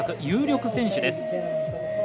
有力選手です。